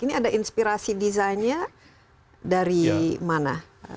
ini ada inspirasi desainnya dari mana